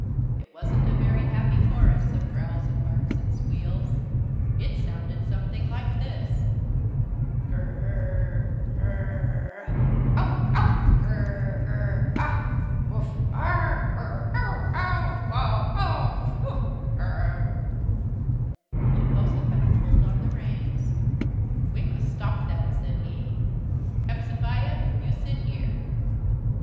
It wasn't a very happy chorus of growls and barks and squeals. It sounded something like this: "Gurrrrr gurrr uh ow ow gurr gurr ow wuf ar gurr ow wow uh wuf xxx x!!!" Jehosophat pulled on the reins. "We must stop that," said he. "Hepzebiah you sit here."